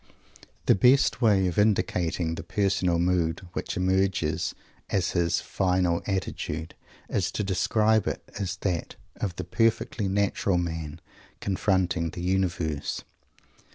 The best way of indicating the personal mood which emerges as his final attitude is to describe it as that of the perfectly natural man confronting the universe.